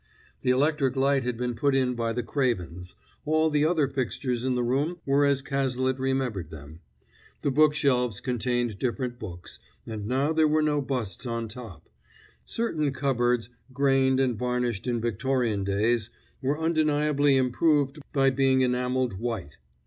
The electric light had been put in by the Cravens; all the other fixtures in the room were as Cazalet remembered them. The bookshelves contained different books, and now there were no busts on top. Certain cupboards, grained and varnished in Victorian days, were undeniably improved by being enameled white.